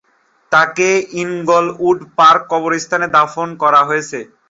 তাকে Inglewood Park কবরস্থানে দাফন করা হয়েছে।